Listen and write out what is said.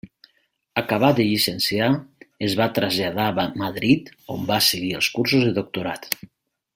Acabat de llicenciar, es va traslladar a Madrid, on va seguir els cursos de doctorat.